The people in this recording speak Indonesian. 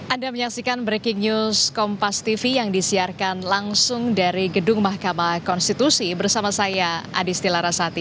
anda menyaksikan breaking news kompas tv yang disiarkan langsung dari gedung mahkamah konstitusi bersama saya adisti larasati